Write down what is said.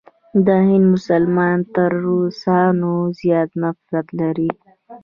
د هند مسلمانان تر روسانو زیات نفرت لري.